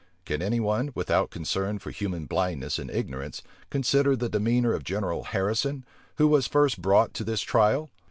Can any one, without concern for human blindness and ignorance, consider the demeanor of General Harrison, who was first brought to his trial?